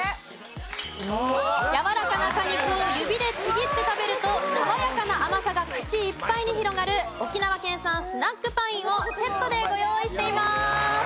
やわらかな果肉を指でちぎって食べると爽やかな甘さが口いっぱいに広がる沖縄県産スナックパインをセットでご用意しています！